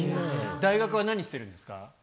大学は何してるんですか？